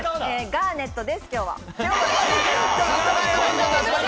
ガーネットです、今日は。